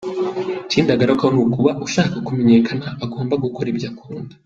Ikindi agarukaho ni ukuba ushaka kumenyekana agomba gukora ibyo akunda.